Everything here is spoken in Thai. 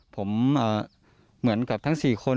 ผมเหมือนกับทั้ง๔คน